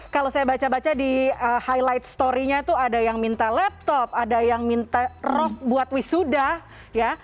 kalau saya baca baca di highlight story nya itu ada yang minta laptop ada yang minta rock buat wisuda ya